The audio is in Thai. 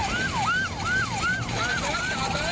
เดี๋ยวมันก็จอด